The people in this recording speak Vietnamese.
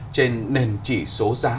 trên nền chỉ số giá